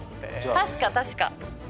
確か確か。